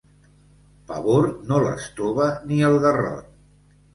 Pa bord no l'estova ni el garrot.